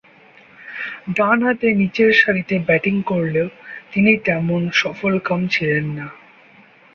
ডানহাতে নিচেরসারিতে ব্যাটিং করলেও তিনি তেমন সফলকাম ছিলেন না।